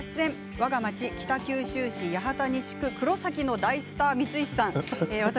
わが町・北九州八幡西区黒崎のスター、光石研さん